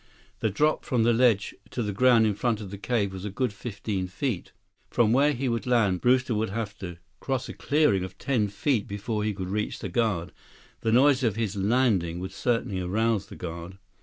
The drop from the ledge to the ground in front of the cave was a good fifteen feet. From where he would land, Brewster would still have to cross a clearing of ten feet before he could reach the guard. The noise of his landing would certainly arouse the guard.